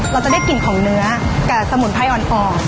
เราจะได้กลิ่นของเนื้อกับสมุนไพรอ่อน